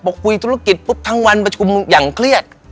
พอคุยธุรกิจปุ๊บทั้งวันประชุมอย่างเครียด